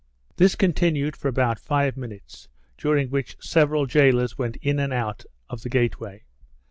This continued for about five minutes, during which several jailers went in and out of the gateway.